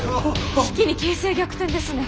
一気に形勢逆転ですね。